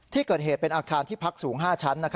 ที่เกิดเหตุเป็นอาคารที่พักสูง๕ชั้น